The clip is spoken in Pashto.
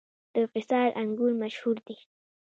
د قیصار انګور مشهور دي